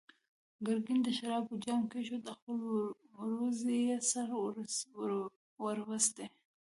ګرګين د شرابو جام کېښود، خپلې وروځې يې سره وروستې.